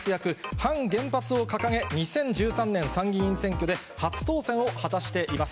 反原発を掲げ、２０１３年、参議院選挙で初当選を果たしています。